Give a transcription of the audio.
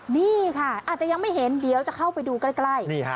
นี่ค่ะอาจจะยังไม่เห็นเดี๋ยวจะเข้าไปดูใกล้